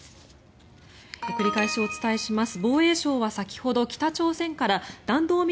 繰り返しお伝えします。